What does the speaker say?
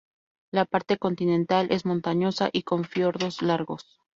La parte continental es montañosa y con fiordos largos.